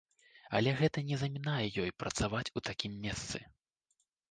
Але гэта не замінае ёй працаваць у такім месцы!